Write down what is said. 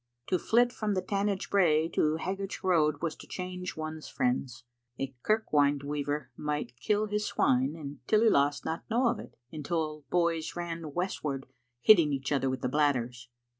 To flit from the Tanage brae to Haggart'sroad was to change one's friends. A kirk wynd weaver might kill his swine and Tillyloss not know of it until boys ran westward hitting each other with the bladders.